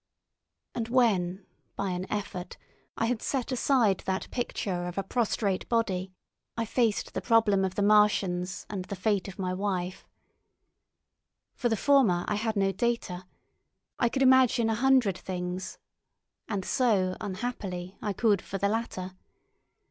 And when, by an effort, I had set aside that picture of a prostrate body, I faced the problem of the Martians and the fate of my wife. For the former I had no data; I could imagine a hundred things, and so, unhappily, I could for the latter.